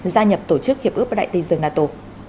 gia nhập tổ chức hiệp ước bắc đại tây dương nato